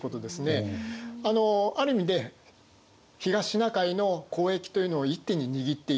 ある意味で東シナ海の交易というのを一手に握っていた。